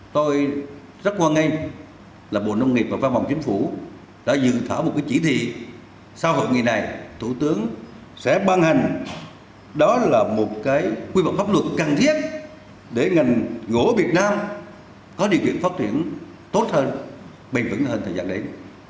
tôi rất hoan nghênh là bộ nông nghiệp và phát bằng chính phủ đã dự thảo một chỉ thị sau hợp nghị này thủ tướng sẽ ban hành đó là một quy bậc pháp luật cần thiết để ngành gỗ việt nam có điều kiện phát triển tốt hơn bình tĩnh hơn thời gian đến